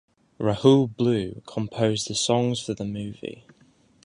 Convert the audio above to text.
Rahul Blue composed the songs for the movie.